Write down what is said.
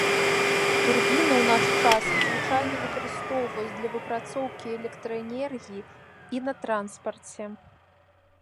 Турбіны ў наш час звычайна выкарыстоўваюць для выпрацоўкі электраэнергіі і на транспарце.